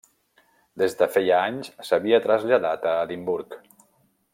Des de feia anys s'havia traslladat a Edimburg.